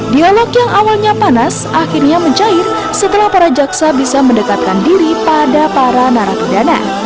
dialog yang awalnya panas akhirnya mencair setelah para jaksa bisa mendekatkan diri pada para narapidana